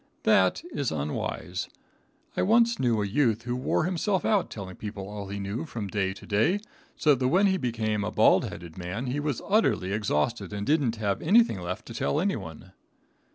That is unwise. I once knew a youth who wore himself out telling people all he knew from day to day, so that when he became a bald headed man he was utterly exhausted and didn't have anything left to tell anyone.